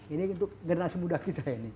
ini untuk generasi muda kita ini